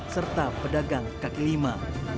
setelah pedagang kaki lima